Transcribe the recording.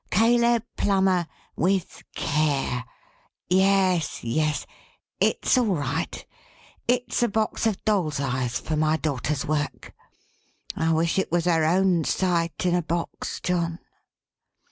'Caleb Plummer. With Care.' Yes, yes, it's all right. It's a box of dolls' eyes for my daughter's work. I wish it was her own sight in a box, John."